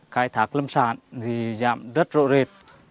khai thác lâm sản thì giảm rất rộ rệt